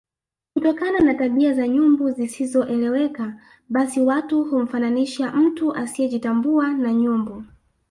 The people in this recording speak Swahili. Kutokana na tabia za nyumbu zisizoeleweka basi watu humfananisha mtu asiejitambua na nyumbu